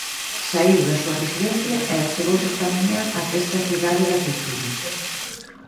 Saíu da súa residencia e achegouse esta mañá ata esta Cidade da Cultura.